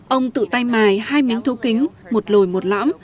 ông tự tay mài hai miếng thô kính một lồi một lần